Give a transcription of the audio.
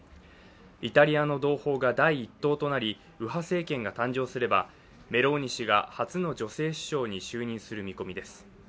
イタリアの同胞が第１党となり右派政権が誕生すればメローニ氏が初の女性首相に就任する見込みです。